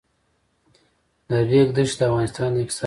د ریګ دښتې د افغانستان د اقتصاد برخه ده.